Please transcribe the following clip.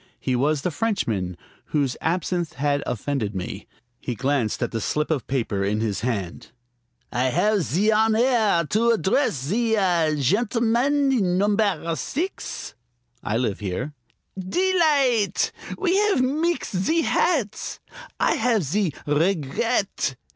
He was the Frenchman whose absinthe had offended me. He glanced at the slip of paper in his hand. "I have zee honaire to address zee ah gentleman in numbaire six?" "I live here." "Delight'! We have meexed zee hats, I have zee r r regret.